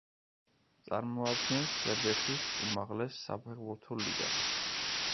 წარმოადგენს სერბეთის უმაღლეს საფეხბურთო ლიგას.